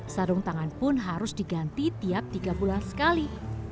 sarung tangan pun harus diganti tiap tiga bulan sekali